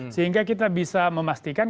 sehingga kita bisa memastikan